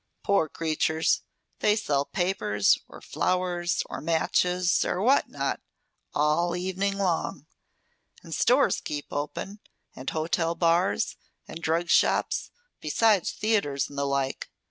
"Poor creatures. They sell papers, or flowers, or matches, or what not, all evening long. And stores keep open, and hotel bars, and drug shops, besides theatres and the like.